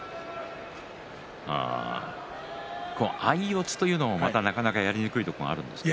相四つというのもなかなかやりにくいところがあるんですか。